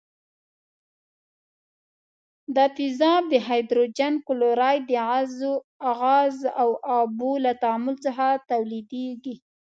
دا تیزاب د هایدروجن کلوراید د غاز او اوبو له تعامل څخه تولیدیږي.